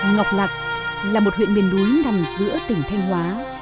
ngọc lạc là một huyện biển đuối nằm giữa tỉnh thanh hóa